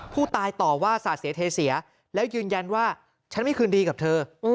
ผู้ตายตอบว่าสาธิตเสียแล้วยืนยันว่าฉันไม่คืนดีกับเธอ